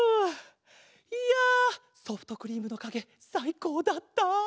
いやソフトクリームのかげさいこうだった。